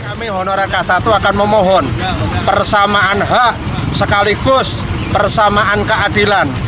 kami honorer k satu akan memohon persamaan hak sekaligus persamaan keadilan